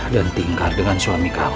dan tinggal dengan suami kamu